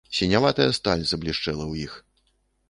Сіняватая сталь заблішчэла ў іх.